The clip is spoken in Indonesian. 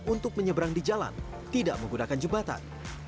untuk menyeberang di jalan tidak menggunakan jembatan